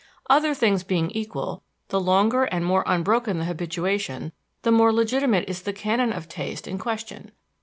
Other things being equal, the longer and more unbroken the habituation, the more legitimate is the canon of taste in question.